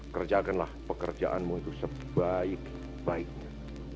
kerjakanlah pekerjaanmu itu sebaik baiknya